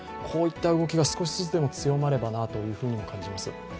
こういった動きが少しずつでも広まっていけばと思います。